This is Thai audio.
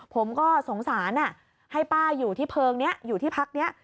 ผมก็สงสารให้ป้าอยู่ที่เพลิงนี้อยู่ที่พักนี้